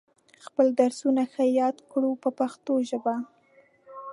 خپل درسونه ښه یاد کړو په پښتو ژبه.